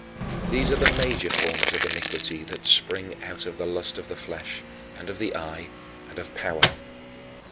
These are the major forms of iniquity that spring out of the lust of the flesh, and of the eye, and of power.